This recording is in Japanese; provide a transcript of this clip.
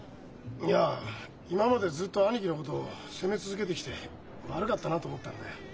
いや今までずっと兄貴のことを責め続けてきて悪かったなと思ったんだよ。